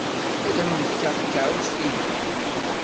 Ad m-n-fkeɣ takeṛṛust-inu.